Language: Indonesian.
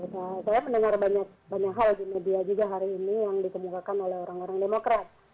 saya mendengar banyak hal di media juga hari ini yang dikemukakan oleh orang orang demokrat